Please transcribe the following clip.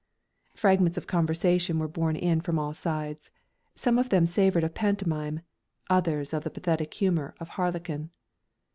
Fragments of conversation were borne in from all sides; some of them savoured of pantomime, others of the pathetic humour of harlequin.